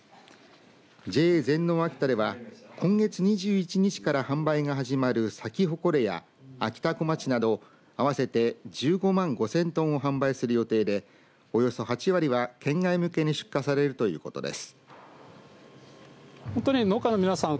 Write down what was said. ＪＡ全農あきたでは今月２１日から販売が始まるサキホコレや、あきたこまちなど合わせて１５万５０００トンを販売する予定でおよそ８割は県外向けに出荷されるということです。